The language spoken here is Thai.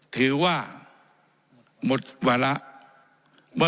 ถือว่าหมดเวลา